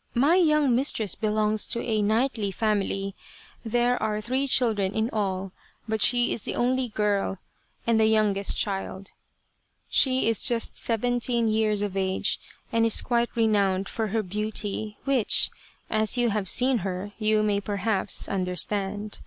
" My young mistress belongs to a knightly family. There are three children in all, but she is the only girl, 256 A Cherry Flower Idyll and the youngest child. She is just seventeen years of age, and is quite renowned for her beauty, which, as you have seen her, you may perhaps understand.